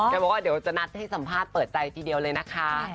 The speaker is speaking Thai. บอกว่าเดี๋ยวจะนัดให้สัมภาษณ์เปิดใจทีเดียวเลยนะคะ